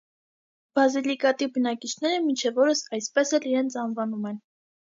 Բազիլիկատի բնակիչները մինչ օրս այսպես էլ իրենց անվանում են։